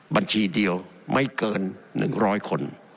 บัญชีเดียวไม่เกิน๑๐๐คน